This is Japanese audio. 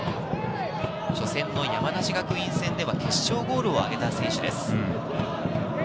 初戦の山梨学院戦では決勝ゴールを挙げた選手です。